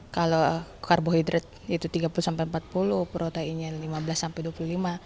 kalau karbohidrat itu tiga puluh sampai empat puluh proteinnya lima belas sampai dua puluh lima